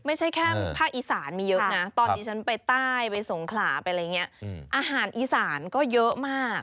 ไม่ใช่แค่ภาคอีสานมีเยอะนะตอนที่ฉันไปใต้ไปสงขลาไปอะไรอย่างนี้อาหารอีสานก็เยอะมาก